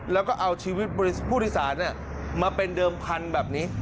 แล้วก็เอาชีวิตผู้โดยสารมาเป็นเดิมพันธุ์แบบนี้